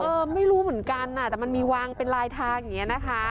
ไม่รู้เหมือนกันแต่มันมีวางเป็นลายทางอย่างนี้นะคะ